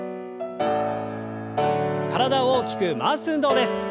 体を大きく回す運動です。